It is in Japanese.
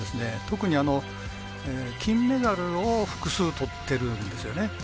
特に金メダルを複数取ってるんですよね。